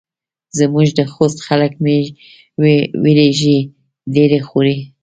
زموږ د خوست خلک مۍ وریژې ډېرې خوري.